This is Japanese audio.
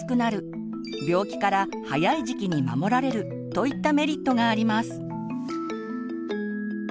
といったメリットがあります。